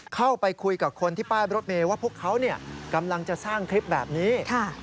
เข้าไปคุยกับคนที่ป้ายรถเมย์ว่าพวกเขากำลังจะสร้างคลิปแบบนี้